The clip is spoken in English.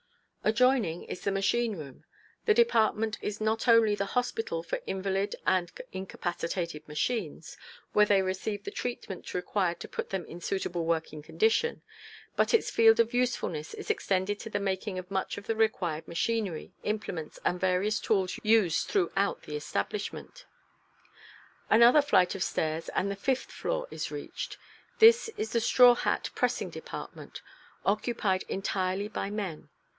Adjoining is the machine room. This department is not only the hospital for invalid and incapacitated machines, where they receive the treatment required to put them in suitable working condition, but its field of usefulness is extended to the making of much of the required machinery, implements and various tools used throughout the establishment. Another flight of stairs and the fifth floor is reached. This is the straw hat pressing department, occupied entirely by men.